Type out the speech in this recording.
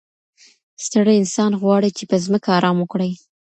ستړی انسان غواړي چي په ځمکه ارام وکړي.